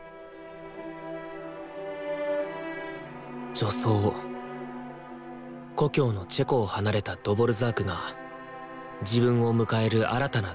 序奏故郷のチェコを離れたドヴォルザークが自分を迎える新たな大地